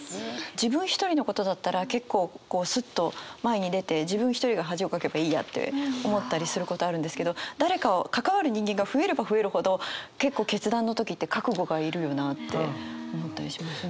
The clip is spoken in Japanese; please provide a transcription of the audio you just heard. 自分一人のことだったら結構こうスッと前に出て自分一人が恥をかけばいいやって思ったりすることあるんですけど誰か関わる人間が増えれば増えるほど結構決断の時って覚悟がいるよなって思ったりしますね。